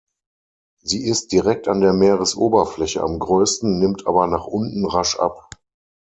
Sie ist direkt an der Meeresoberfläche am größten, nimmt aber nach unten rasch ab.